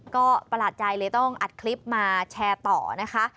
ก็ประหลาดใจเลยต้องอัดคลิปมาแชร์ต่อนะคะ